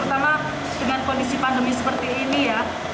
terutama dengan kondisi pandemi seperti ini ya